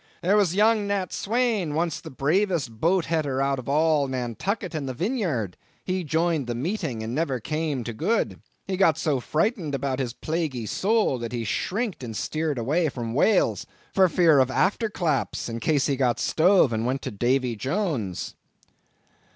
There was young Nat Swaine, once the bravest boat header out of all Nantucket and the Vineyard; he joined the meeting, and never came to good. He got so frightened about his plaguy soul, that he shrinked and sheered away from whales, for fear of after claps, in case he got stove and went to Davy Jones."